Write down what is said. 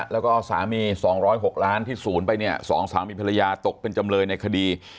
แล้วก็สามี๒๐๖ล้านที่ศูนย์ไปเนี่ย๒สามีภรรยาตกเป็นจำเลยในคดี